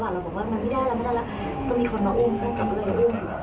เราบอกว่ามันไม่ได้แล้วไม่ได้แล้วก็มีคนมาอุ้มแฟนกลับด้วย